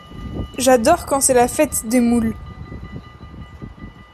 J'adore quand c'est la fête des moules.